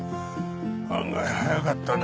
案外早かったね。